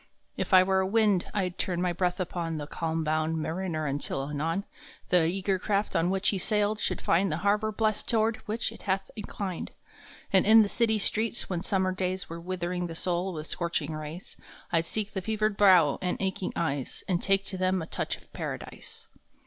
If I were wind I d turn my breath upon The calm bound mariner until, anon, The eager craft on which he sailed should find The harbor blest toward which it hath inclined. And in the city streets, when summer s days Were withering the soul with scorching rays, I d seek the fevered brow and aching eyes And take to them a touch of Paradise.